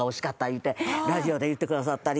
言うてラジオで言ってくださったり。